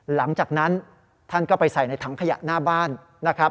หลังจากนั้นท่านก็ไปใส่ในถังขยะหน้าบ้านนะครับ